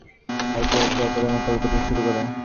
এতে একে অপরের মোকাবিলা করতে শুরু করে।